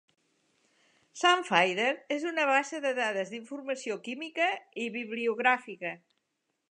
SciFinder és una base de dades d'informació química i bibliogràfica.